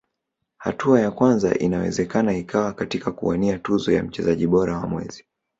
hatua ya kwanza inawezekana ikawa katika kuwania tuzo ya mchezaji bora wa mwezi